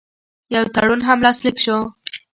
یو تړون هم لاسلیک شو.